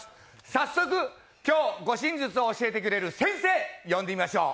早速、今日、護身術を教えてくれる先生を呼んでみましょう。